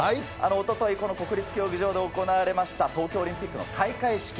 おととい、この国立競技場で行われました、東京オリンピックの開会式。